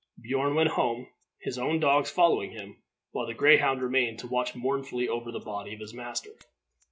Beorn went home, his own dogs following him, while the greyhound remained to watch mournfully over the body of his master.